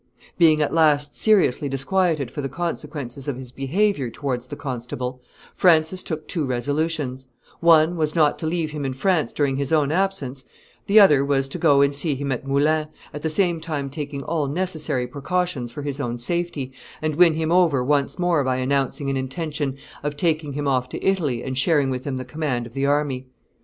Being at last seriously disquieted for the consequences of his behavior towards the constable, Francis took two resolutions: one was, not to leave him in France during his own absence; the other was, to go and see him at Moulins, at the same time taking all necessary precautions for his own safety, and win him over once more by announcing an intention of taking him off to Italy and sharing with him the command of the army.